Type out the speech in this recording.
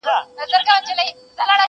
د پښتنو درنې جرګې به تر وړۍ سپکي سي!!